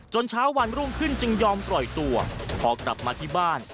เช้าวันรุ่งขึ้นจึงยอมปล่อยตัวพอกลับมาที่บ้าน